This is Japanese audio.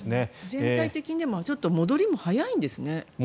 全体的に戻りも早いんですね。